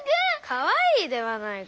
かわいいではないか。